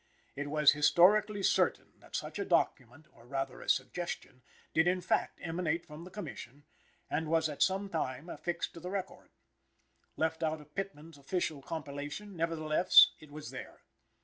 It was historically certain that such a document, or rather a "suggestion," did in fact emanate from the Commission, and was at some time affixed to the record. Left out of Pitman's official compilation, nevertheless it was there.